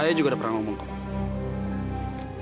ayah juga ada perang omong omong